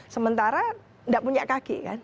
sementara tidak punya kaki kan